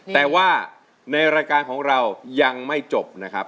แต่ว่าในรายการของเรายังไม่จบนะครับ